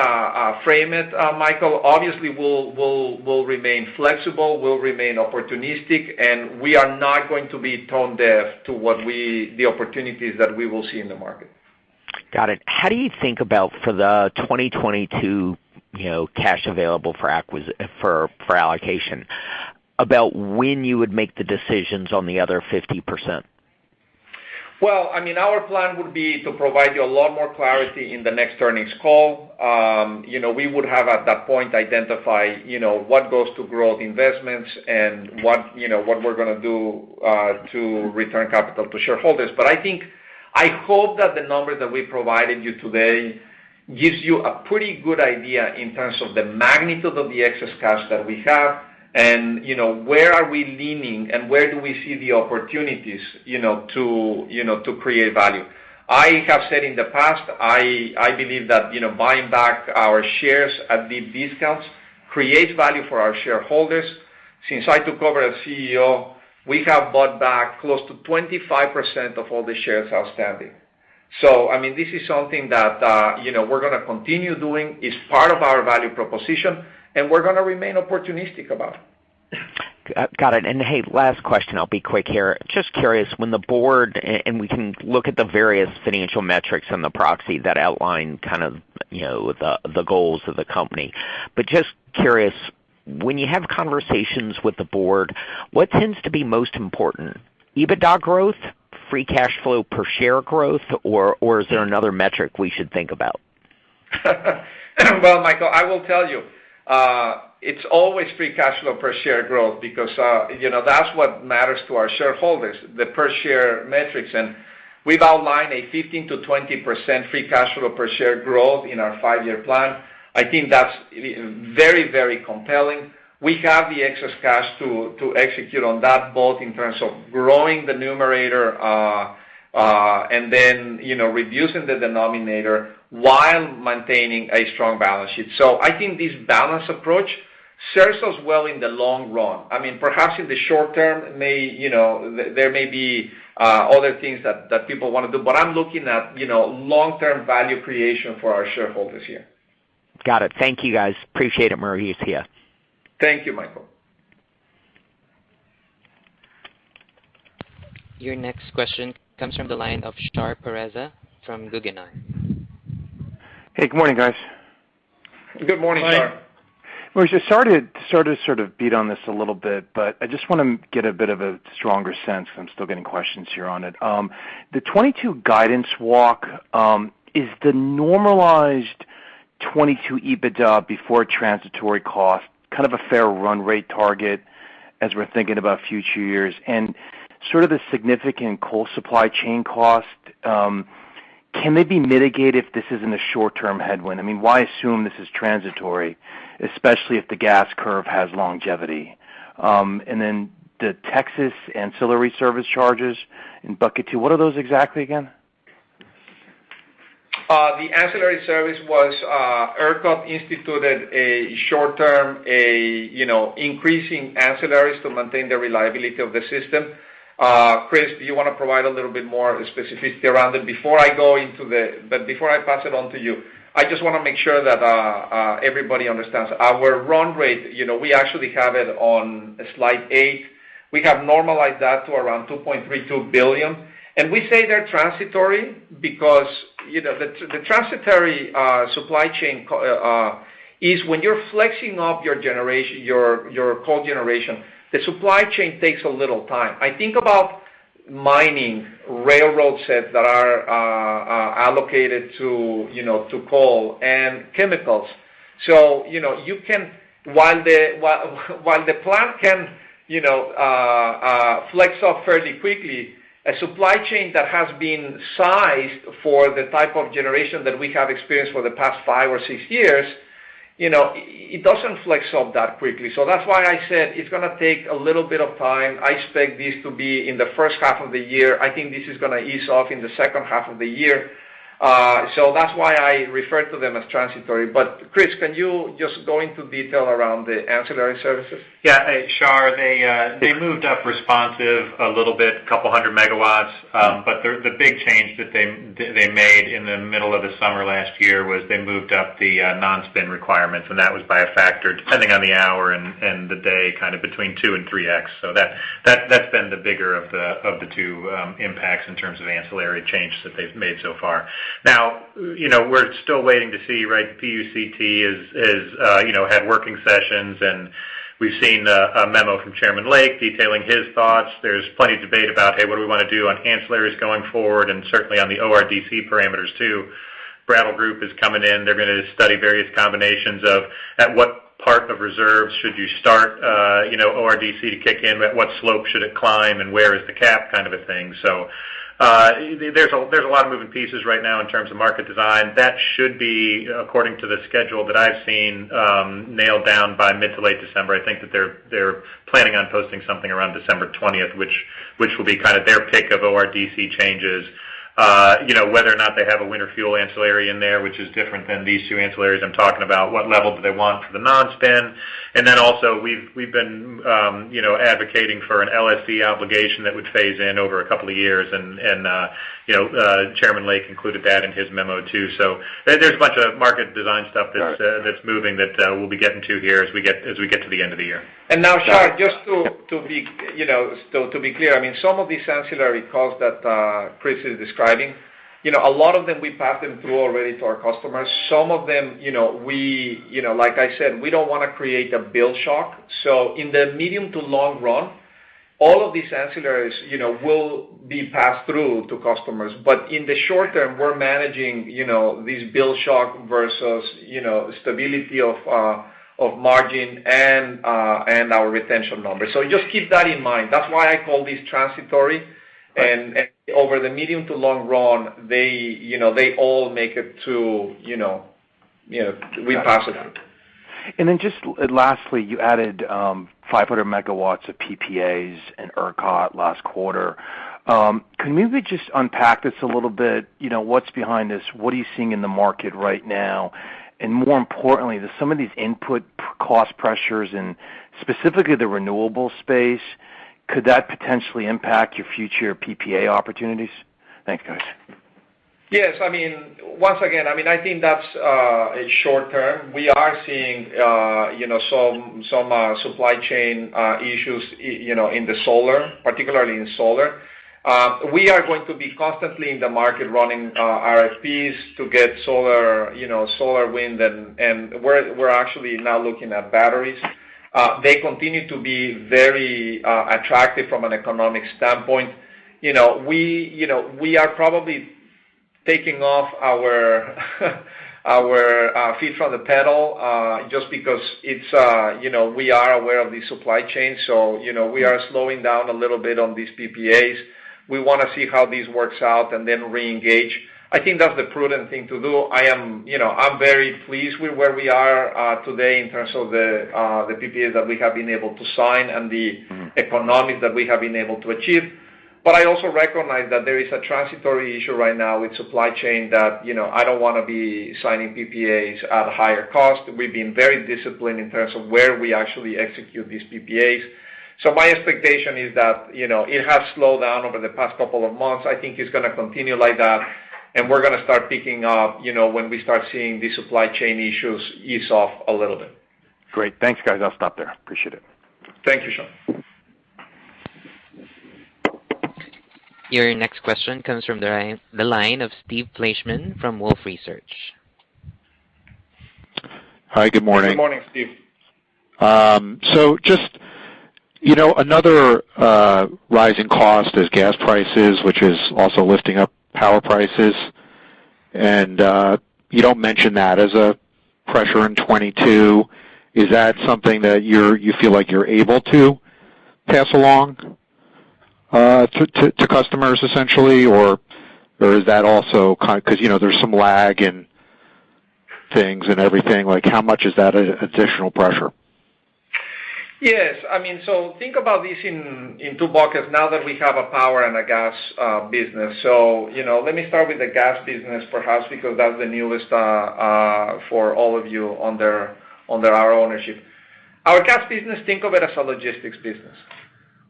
frame it, Michael. Obviously, we'll remain flexible, we'll remain opportunistic, and we are not going to be tone deaf to the opportunities that we will see in the market. Got it. How do you think about for the 2022, you know, cash available for allocation, about when you would make the decisions on the other 50%? Well, I mean, our plan would be to provide you a lot more clarity in the next earnings call. You know, we would have, at that point, identified what goes to growth investments and what we're gonna do to return capital to shareholders. I think I hope that the numbers that we provided you today gives you a pretty good idea in terms of the magnitude of the excess cash that we have and, you know, where we're leaning and where do we see the opportunities, you know, to create value. I have said in the past, I believe that, you know, buying back our shares at deep discounts creates value for our shareholders. Since I took over as CEO, we have bought back close to 25% of all the shares outstanding. I mean, this is something that, you know, we're gonna continue doing, is part of our value proposition, and we're gonna remain opportunistic about it. Got it. Hey, last question. I'll be quick here. Just curious, when the board—and we can look at the various financial metrics in the proxy that outline kind of, you know, the goals of the company. Just curious, when you have conversations with the board, what tends to be most important? EBITDA growth, free cash flow per share growth, or is there another metric we should think about? Well, Michael, I will tell you, it's always free cash flow per share growth because, you know, that's what matters to our shareholders, the per share metrics. We've outlined a 15%-20% free cash flow per share growth in our 8-year plan. I think that's very, very compelling. We have the excess cash to execute on that, both in terms of growing the numerator and then, you know, reducing the denominator while maintaining a strong balance sheet. I think this balanced approach serves us well in the long run. I mean, perhaps in the short term may, you know, there may be other things that people wanna do, but I'm looking at, you know, Long-Term value creation for our shareholders here. Got it. Thank you, guys. Appreciate it, Mauricio. Thank you, Michael. Your next question comes from the line of Shahriar Pourreza from Guggenheim. Hey, good morning, guys. Good morning, Shahriar. Morning. Mauricio, Shahriar Pourreza here. Shahriar Pourreza just sort of beat on this a little bit, but I just wanna get a bit of a stronger sense 'cause I'm still getting questions here on it. The 2022 guidance walk, is the normalized 2022 EBITDA before transitory cost kind of a fair run rate target as we're thinking about future years? Sort of the significant coal supply chain cost, can they be mitigated if this isn't a Short-Term headwind? I mean, why assume this is transitory, especially if the gas curve has longevity? The Texas ancillary service charges in bucket 2, what are those exactly again? The ancillary service was ERCOT instituted a Short-Term, you know, increasing ancillaries to maintain the reliability of the system. Chris, do you wanna provide a little bit more specificity around it? Before I pass it on to you, I just wanna make sure that everybody understands. Our run rate, you know, we actually have it on slide eight. We have normalized that to around $2.32 billion. We say they're transitory because, you know, the transitory supply chain is when you're flexing off your generation, your coal generation, the supply chain takes a little time. I think about mining railroad sets that are allocated to, you know, to coal and chemicals. While the plant can flex off fairly quickly, a supply chain that has been sized for the type of generation that we have experienced for the past 8 or 6 years, it doesn't flex off that quickly. That's why I said it's gonna take a little bit of time. I expect this to be in the first 1/2 of the year. I think this is gonna ease off in the second 1/2 of the year. That's why I refer to them as transitory. Chris, can you just go into detail around the ancillary services? Yeah. Hey, Shahriar. They moved up responsive a little bit, 200 megawatts. But the big change that they made in the middle of the summer last year was they moved up the non-spin requirements, and that was by a factor, depending on the hour and the day, kind of between 2x and 3x. That's been the bigger of the 2 impacts in terms of ancillary changes that they've made so far. Now, you know, we're still waiting to see, right? PUCT has had working sessions, and we've seen a memo from Chairman Richard Glick detailing his thoughts. There's plenty of debate about, hey, what do we wanna do on ancillaries going forward. And certainly on the ORDC parameters too. The Brattle Group is coming in. They're gonna study various combinations of at what part of reserves should you start, you know, ORDC to kick in, at what slope should it climb, and where is the cap kind of a thing. So, there's a lot of moving pieces right now in terms of market design. That should be, according to the schedule that I've seen, nailed down by mid to late December. I think that they're planning on posting something around December twentieth, which will be kind of their pick of ORDC changes. You know, whether or not they have a winter fuel ancillary in there, which is different than these 2 ancillaries I'm talking about. What level do they want for the non-spin? Also, we've been you know advocating for an LSE obligation that would phase in over a couple of years and you know Chairman Glick included that in his memo too. There's a bunch of market design stuff that's moving that we'll be getting to here as we get to the end of the year. Now, Shahriar, just to be, you know, so to be clear, I mean, some of these ancillary costs that Chris is describing, you know, a lot of them, we passed them through already to our customers. Some of them, you know, we, you know, like I said, we don't wanna create a bill shock. In the medium to long run, all of these ancillaries, you know, will be passed through to customers. In the short term, we're managing, you know, these bill shock versus, you know, stability of margin and our retention numbers. Just keep that in mind. That's why I call these transitory. Right. Over the medium to long run, they, you know, they all make it to, you know, you know, we pass it on. Just lastly, you added 500 MW of PPAs in ERCOT last 1/4. Can you maybe just unpack this a little bit, you know, what's behind this? What are you seeing in the market right now? More importantly, do some of these input cost pressures and specifically the renewable space, could that potentially impact your future PPA opportunities? Thanks, guys. Yes. I mean, once again, I mean, I think that's Short-Term. We are seeing you know, some supply chain issues, you know, in the solar, particularly in solar. We are going to be constantly in the market running RFPs to get solar, you know, solar wind, and we're actually now looking at batteries. They continue to be very attractive from an economic standpoint. You know, we are probably taking our feet off the pedal just because we are aware of the supply chain, so you know, we are slowing down a little bit on these PPAs. We wanna see how this works out and then reengage. I think that's the prudent thing to do. I am, you know, I'm very pleased with where we are today in terms of the PPAs that we have been able to sign and the- Mm-hmm. Economics that we have been able to achieve. I also recognize that there is a transitory issue right now with supply chain that, you know, I don't wanna be signing PPAs at a higher cost. We've been very disciplined in terms of where we actually execute these PPAs. My expectation is that, you know, it has slowed down over the past couple of months. I think it's gonna continue like that, and we're gonna start picking up, you know, when we start seeing the supply chain issues ease off a little bit. Great. Thanks, guys. I'll stop there. I appreciate it. Thank you, Shahriar. Your next question comes from the line of Steve Fleishman from Wolfe Research. Hi, good morning. Good morning, Steve. So just, you know, another rising cost is gas prices, which is also lifting up power prices. You don't mention that as a pressure in 2022. Is that something that you feel like you're able to pass along to customers essentially? Or is that also 'cause, you know, there's some lag in things and everything. Like, how much is that additional pressure? Yes. I mean, think about this in 2 buckets now that we have a power and a gas business. You know, let me start with the gas business perhaps because that's the newest for all of you under our ownership. Our gas business, think of it as a logistics business.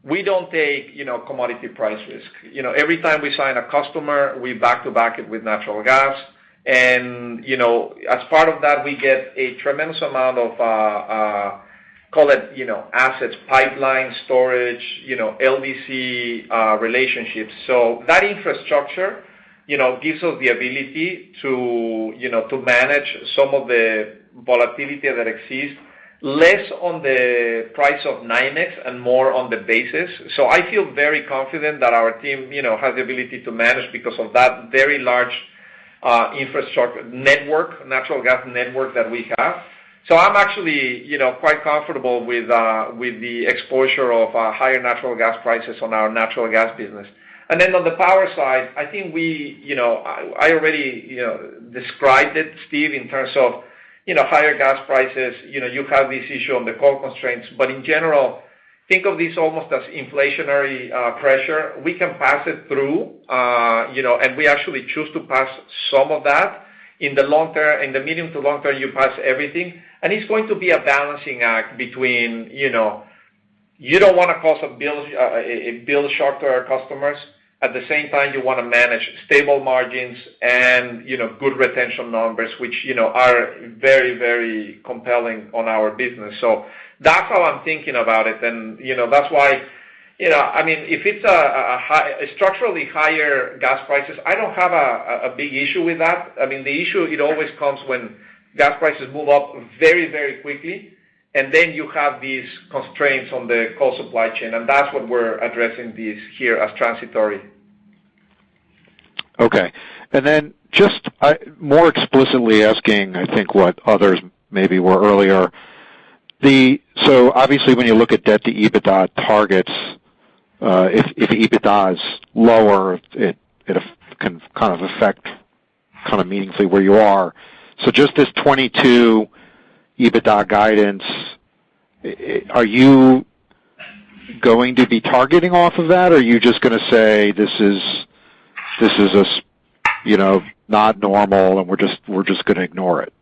We don't take, you know, commodity price risk. You know, every time we sign a customer, we back to back it with natural gas. And, you know, as part of that, we get a tremendous amount of call it, you know, assets, pipeline storage, you know, LDC relationships. That infrastructure, you know, gives us the ability to, you know, to manage some of the volatility that exists less on the price of NYMEX and more on the basis. I feel very confident that our team, you know, has the ability to manage because of that very large infrastructure network, natural gas network that we have. I'm actually, you know, quite comfortable with the exposure of higher natural gas prices on our natural gas business. Then on the power side, I think we, you know, I already, you know, described it, Steve, in terms of, you know, higher gas prices. You know, you have this issue on the coal constraints. In general, think of this almost as inflationary pressure. We can pass it through, you know, and we actually choose to pass some of that. In the medium to long term, you pass everything. It's going to be a balancing act between, you know, you don't wanna cause a bill shock to our customers. At the same time, you wanna manage stable margins and, you know, good retention numbers, which, you know, are very, very compelling on our business. That's how I'm thinking about it. You know, that's why, you know, I mean, if it's structurally higher gas prices, I don't have a big issue with that. I mean, the issue, it always comes when gas prices move up very, very quickly, and then you have these constraints on the coal supply chain, and that's what we're addressing this here as transitory. Okay. Just more explicitly asking, I think, what others maybe were earlier. Obviously, when you look at debt to EBITDA targets, if EBITDA is lower, it can kind of affect kind of meaningfully where you are. Just this 2022 EBITDA guidance, are you going to be targeting off of that, or are you just gonna say, this is, you know, not normal, and we're just gonna ignore it?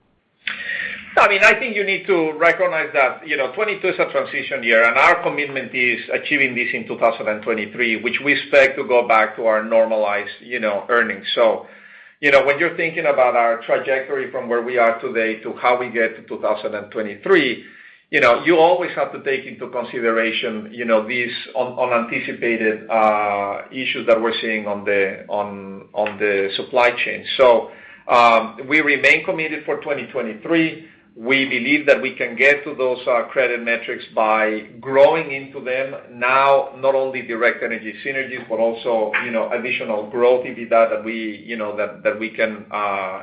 I mean, I think you need to recognize that, you know, 2022 is a transition year, and our commitment is achieving this in 2023, which we expect to go back to our normalized, you know, earnings. You know, when you're thinking about our trajectory from where we are today to how we get to 2023, you know, you always have to take into consideration, you know, these unanticipated issues that we're seeing on the supply chain. We remain committed for 2023. We believe that we can get to those credit metrics by growing into them now, not only Direct Energy synergies, but also, you know, additional growth EBITDA that we, you know, that we can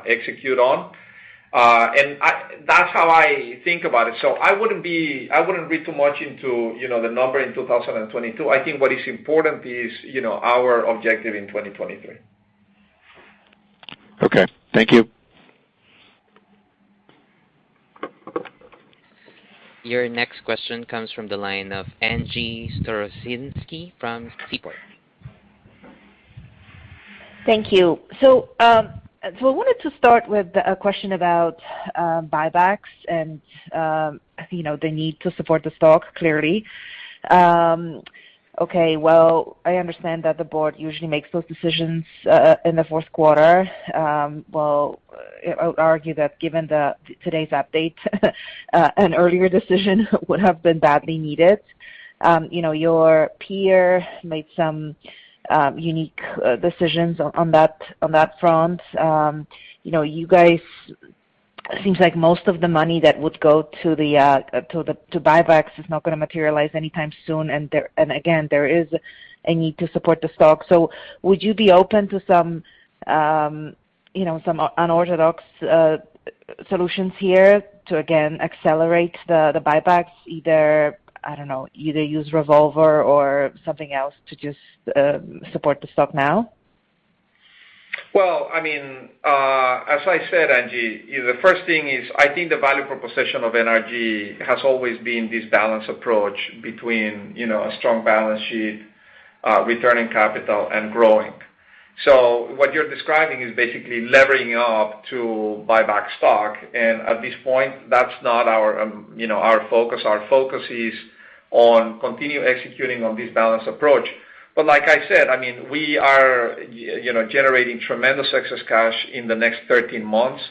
execute on. That's how I think about it. I wouldn't read too much into, you know, the number in 2022. I think what is important is, you know, our objective in 2023. Okay. Thank you. Your next question comes from the line of Angie Storozynski from Seaport. Thank you. I wanted to start with a question about buybacks and, you know, the need to support the stock clearly. Okay, well, I understand that the board usually makes those decisions in the fourth 1/4. Well, I would argue that given today's update, an earlier decision would have been badly needed. You know, your peer made some unique decisions on that front. You know, you guys seems like most of the money that would go to buybacks is not gonna materialize anytime soon. Again, there is a need to support the stock. Would you be open to some, you know, some unorthodox solutions here to again accelerate the buybacks, either, I don't know, use revolver or something else to just support the stock now? Well, I mean, as I said, Angie, the first thing is, I think the value proposition of NRG has always been this balanced approach between, you know, a strong balance sheet, returning capital and growing. What you're describing is basically levering up to buy back stock. At this point, that's not our, you know, our focus. Our focus is on continue executing on this balanced approach. Like I said, I mean, we are, you know, generating tremendous excess cash in the next 13 months.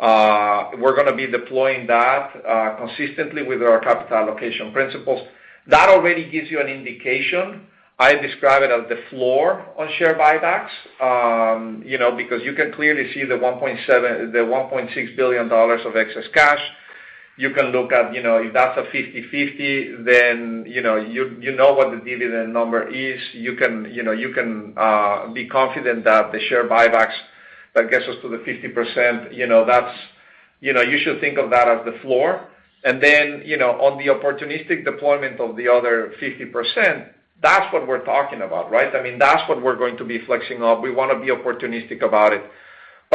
We're gonna be deploying that consistently with our capital allocation principles. That already gives you an indication. I describe it as the floor on share buybacks, you know, because you can clearly see the $1.6 billion of excess cash. You can look at, you know, if that's a 50/50, then, you know, you know what the dividend number is. You can, you know, be confident that the share buybacks that gets us to the 50%, you know, that's. You know, you should think of that as the floor. You know, on the opportunistic deployment of the other 50%, that's what we're talking about, right? I mean, that's what we're going to be flexing off. We wanna be opportunistic about it.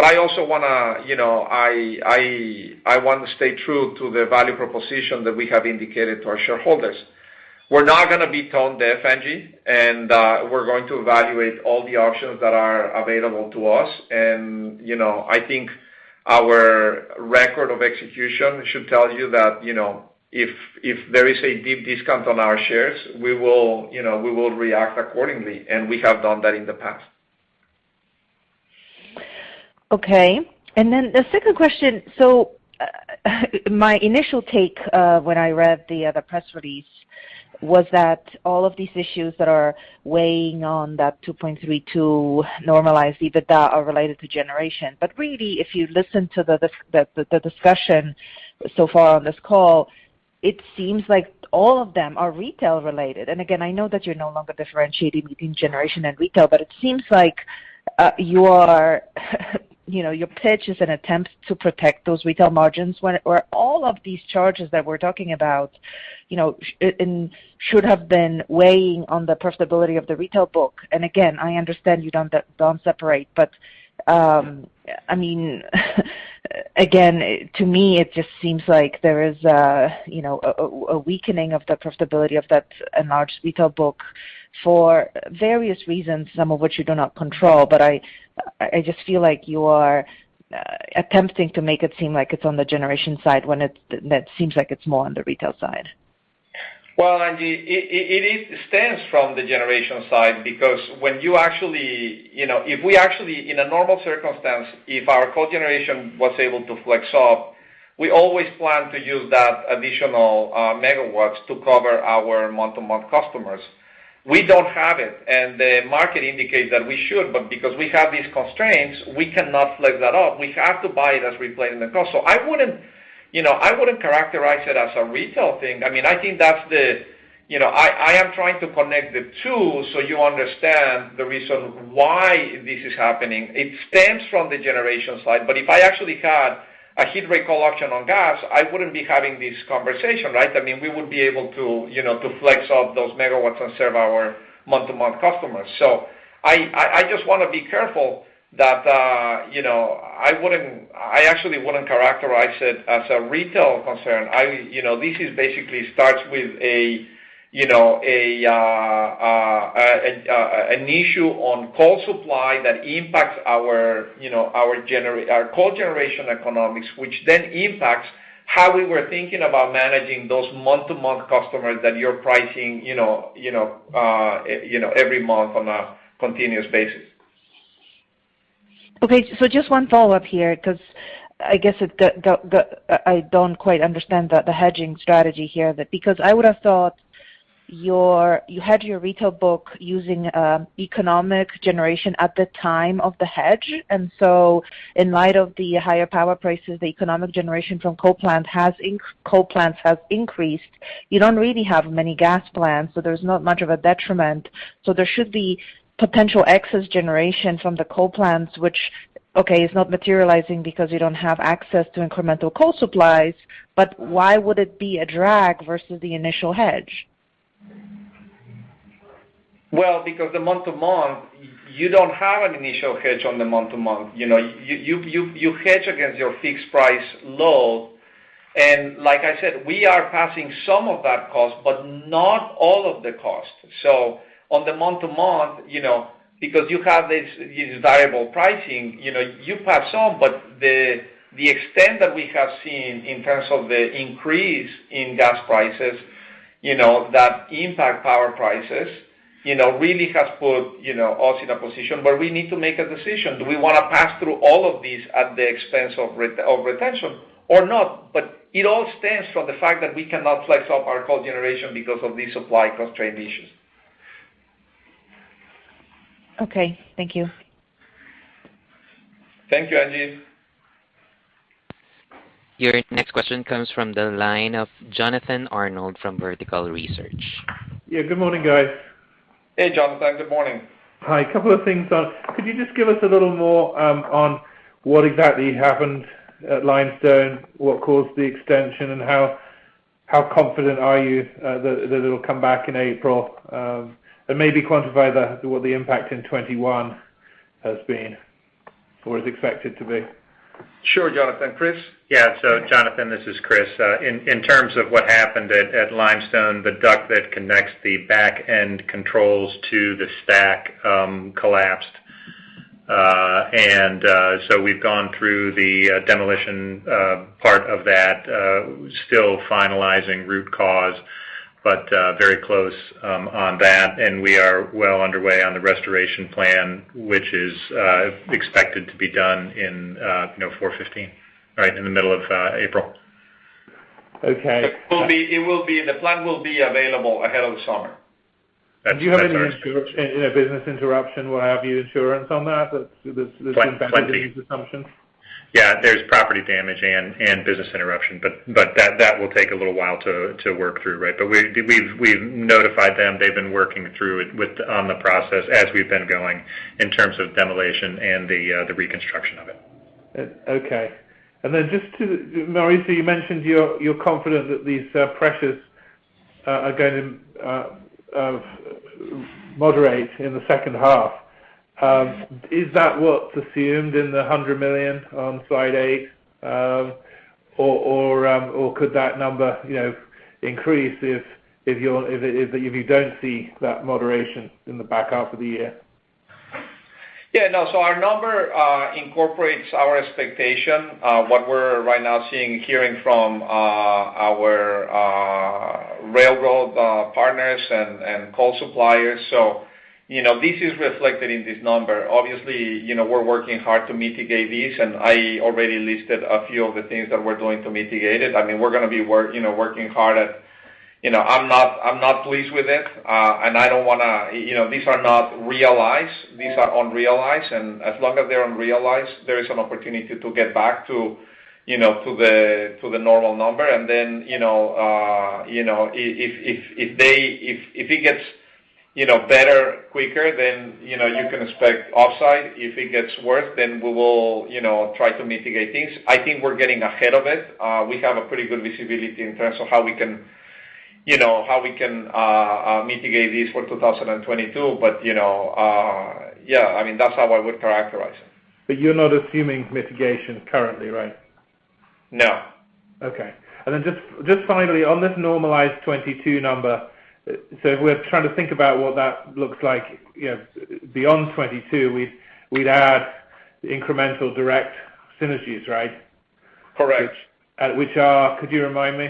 I also wanna, you know, I wanna stay true to the value proposition that we have indicated to our shareholders. We're not gonna be tone deaf, Angie, and we're going to evaluate all the options that are available to us. You know, I think our record of execution should tell you that, you know, if there is a deep discount on our shares, we will, you know, react accordingly, and we have done that in the past. The second question. My initial take when I read the press release was that all of these issues that are weighing on that 2.32 normalized EBITDA are related to generation. Really, if you listen to the discussion so far on this call, it seems like all of them are retail related. Again, I know that you're no longer differentiating between generation and retail, but it seems like your, you know, your pitch is an attempt to protect those retail margins when or all of these charges that we're talking about, you know, should have been weighing on the profitability of the retail book. I understand you don't separate, but I mean, again, to me, it just seems like there is, you know, a weakening of the profitability of that enhanced retail book for various reasons, some of which you do not control. I just feel like you are attempting to make it seem like it's on the generation side when that seems like it's more on the retail side. Well, Angie, it stems from the generation side because when you actually, you know, if we actually in a normal circumstance, if our cogeneration was able to flex off, we always plan to use that additional megawatts to cover our month-to-month customers. We don't have it, and the market indicates that we should, but because we have these constraints, we cannot flex that off. We have to buy it as we pay the cost. So I wouldn't, you know, characterize it as a retail thing. I mean, I think that's the. You know, I am trying to connect the 2 so you understand the reason why this is happening. It stems from the generation side. If I actually had a heat rate contract on gas, I wouldn't be having this conversation, right? I mean, we would be able to, you know, to flex off those megawatts and serve our month-to-month customers. I just wanna be careful that, you know, I actually wouldn't characterize it as a retail concern. You know, this basically starts with an issue on coal supply that impacts our, you know, our cogeneration economics, which then impacts how we were thinking about managing those month-to-month customers that you're pricing, you know, every month on a continuous basis. Okay, just one follow-up here, 'cause I guess I don't quite understand the hedging strategy here. Because I would have thought you had your retail book using economic generation at the time of the hedge. In light of the higher power prices, the economic generation from coal plants has increased. You don't really have many gas plants, so there's not much of a detriment. There should be potential excess generation from the coal plants, which, okay, is not materializing because you don't have access to incremental coal supplies. Why would it be a drag versus the initial hedge? Well, because the month to month, you don't have an initial hedge on the month to month. You know, you hedge against your fixed price load. Like I said, we are passing some of that cost, but not all of the cost. On the month to month, you know, because you have this variable pricing, you know, you pass on. The extent that we have seen in terms of the increase in gas prices, you know, that impact power prices, you know, really has put us in a position where we need to make a decision. Do we wanna pass through all of these at the expense of retention or not? It all stems from the fact that we cannot flex up our coal generation because of the supply constraint issues. Okay. Thank you. Thank you, Angie. Your next question comes from the line of Jonathan Arnold from Vertical Research. Yeah. Good morning, guys. Hey, Jonathan. Good morning. Hi. A couple of things. Could you just give us a little more on what exactly happened at Limestone, what caused the extension, and how confident are you that it'll come back in April? Maybe quantify what the impact in 2021 has been or is expected to be. Sure. Jonathan. Chris? Yeah. Jonathan, this is Chris. In terms of what happened at Limestone, the duct that connects the back-end controls to the stack collapsed. We've gone through the demolition part of that, still finalizing root cause, but very close on that. We are well underway on the restoration plan, which is expected to be done in, you know, 4/15. Right in the middle of April. Okay. The plant will be available ahead of the summer. That's our expectation. Do you have any insurance, a business interruption, or have you insurance on that? Plenty. There's been plenty in these assumptions. Yeah, there's property damage and business interruption, but that will take a little while to work through. Right? But we've notified them. They've been working through it with on the process as we've been going in terms of demolition and the reconstruction of it. Okay. Mauricio, you mentioned you're confident that these pressures are going to moderate in the second 1/2. Is that what's assumed in the $100 million on Slide 8, or could that number, you know, increase if you don't see that moderation in the back 1/2 of the year? Yeah. No. Our number incorporates our expectation, what we're right now seeing, hearing from our railroad partners and coal suppliers. You know, this is reflected in this number. Obviously, you know, we're working hard to mitigate this, and I already listed a few of the things that we're doing to mitigate it. I mean, we're working hard at it. You know, I'm not pleased with it, and I don't wanna. You know, these are not realized, these are unrealized, and as long as they're unrealized, there is an opportunity to get back to the normal number. If it gets better quicker, then you can expect upside. If it gets worse, then we will, you know, try to mitigate things. I think we're getting ahead of it. We have a pretty good visibility in terms of how we can, you know, mitigate this for 2022. You know, yeah, I mean, that's how I would characterize it. You're not assuming mitigation currently, right? No. Okay. Just finally on this normalized 2022 number. If we're trying to think about what that looks like, you know, beyond 2022, we'd add the incremental direct synergies, right? Correct. Which, could you remind me?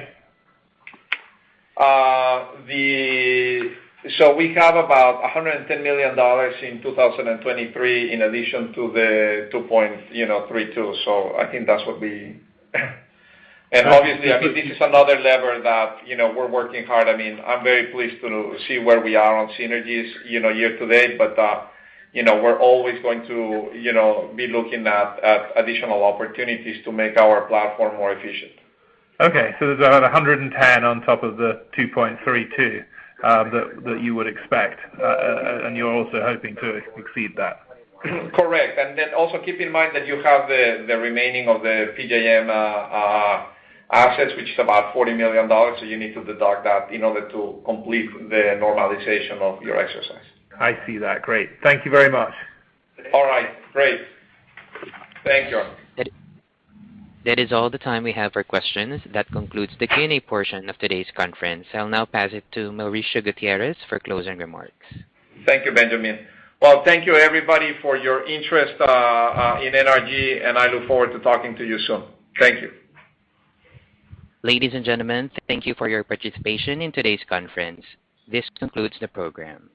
We have about $110 million in 2023 in addition to the $2.32. I think that's what. Obviously, I mean, this is another lever that, you know, we're working hard. I mean, I'm very pleased to see where we are on synergies, you know, year-to-date. You know, we're always going to, you know, be looking at additional opportunities to make our platform more efficient. Okay. There's about 110 on top of the 2.32 that you would expect, and you're also hoping to exceed that. Correct. Then also keep in mind that you have the remaining of the PJM assets, which is about $40 million. You need to deduct that in order to complete the normalization of your exercise. I see that. Great. Thank you very much. All right, great. Thank you. That is all the time we have for questions. That concludes the Q&A portion of today's conference. I'll now pass it to Mauricio Gutierrez for closing remarks. Thank you, Benjamin. Well, thank you everybody for your interest in NRG, and I look forward to talking to you soon. Thank you. Ladies and gentlemen, thank you for your participation in today's conference. This concludes the program.